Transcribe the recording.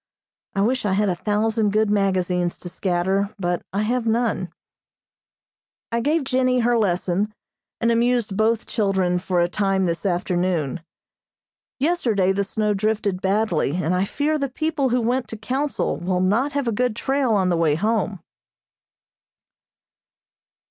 I wish I had a thousand good magazines to scatter, but I have none. I gave Jennie her lesson, and amused both children for a time this afternoon. Yesterday the snow drifted badly, and I fear the people who went to Council will not have a good trail on the way home.